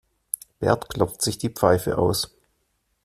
Bert klopft sich die Pfeife aus.